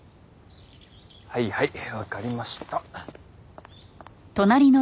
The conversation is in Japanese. はいはいわかりました。